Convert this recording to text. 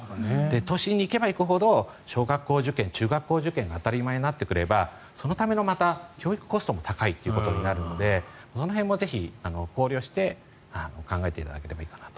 都心に行けば行くほど小学校受験、中学校受験が当たり前になってくるとそのための、また教育コストも高いということになるのでその辺も、ぜひ考慮して考えていただければいいかなと。